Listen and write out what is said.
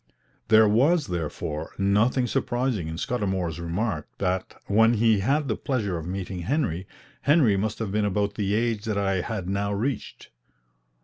There was, therefore, nothing surprising in Scudamour's remark, that, when he had the pleasure of meeting Henry, Henry must have been about the age that I had now reached.